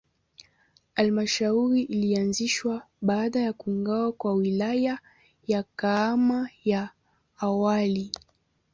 Halmashauri ilianzishwa baada ya kugawa kwa Wilaya ya Kahama ya awali.